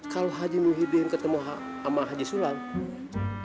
kalau haji muhyiddin ketemu sama haji sulami